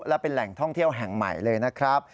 และเป็นแหล่งท่องเที่ยวแห่งใหม่เลยนะครับ